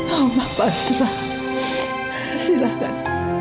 oma padra silakan